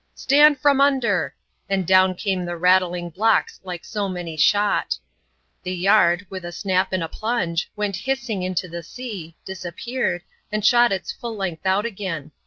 " Stand from under P and down came the rattling blocks like so many shot. The yard, with a snap and a plunge, went hissing into the sea, disappeared, and shot its full length out again.